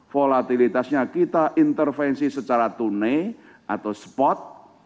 volatilitasnya kita intervensi secara tunai atau spot